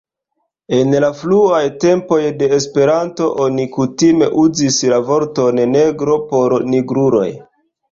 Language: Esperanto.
En la fruaj tempoj de Esperanto, oni kutime uzis la vorton negro por nigruloj.